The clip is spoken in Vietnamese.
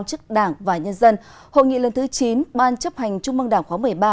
chức đảng và nhân dân hội nghị lần thứ chín ban chấp hành trung mương đảng khóa một mươi ba